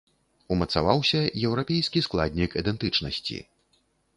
Умацаваўся еўрапейскі складнік ідэнтычнасці.